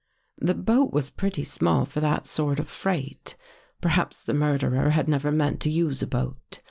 " The boat was pretty small for that sort of freight. Perhaps the murderer had never meant to use a boat.